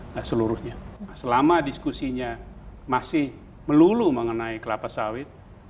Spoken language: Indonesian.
nah seluruhnya selama diskusinya masih melulu mengenai kelapa sawit